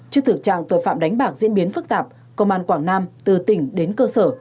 trước thực trạng tội phạm đánh bạc diễn biến phức tạp công an quảng nam từ tỉnh đến cơ sở